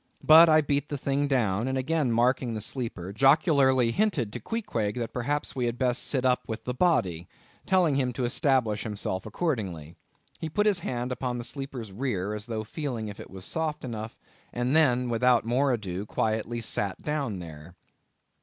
But I beat the thing down; and again marking the sleeper, jocularly hinted to Queequeg that perhaps we had best sit up with the body; telling him to establish himself accordingly. He put his hand upon the sleeper's rear, as though feeling if it was soft enough; and then, without more ado, sat quietly down there.